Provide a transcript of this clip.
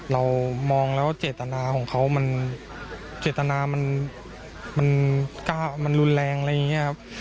เรามองแล้วเจตนาของเขามันเจตนามันรุนแรงอะไรอย่างนี้ครับ